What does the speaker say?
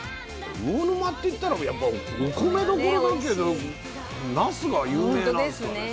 魚沼っていったらやっぱお米どころだけどなすが有名なんですかね。